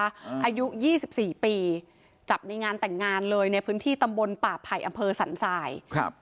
อายุยี่สิบสี่ปีจับในงานแต่งงานเลยในพื้นที่ตำบลป่าไผ่อำเภอสันทรายครับ